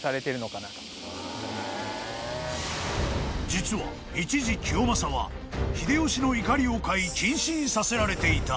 ［実は一時清正は秀吉の怒りを買い謹慎させられていた］